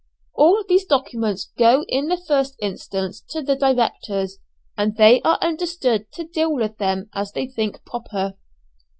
All these documents go in the first instance to the directors, and they are understood to deal with them as they think proper.